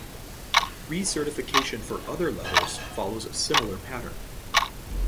Recertification for other levels follows a similar pattern.